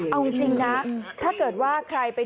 เอาจริงน่ะถ้าเกิดว่า